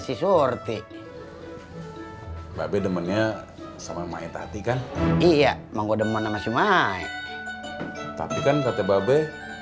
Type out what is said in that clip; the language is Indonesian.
si surti mbak be demennya sama maetati kan iya mau gua demen sama si maet tapi kan kata mbak be